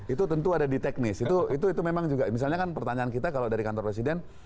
itu tentu ada di teknis itu memang juga misalnya kan pertanyaan kita kalau dari kantor presiden